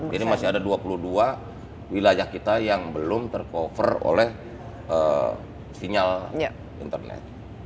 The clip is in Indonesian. jadi masih ada dua puluh dua wilayah kita yang belum tercover oleh sinyal internet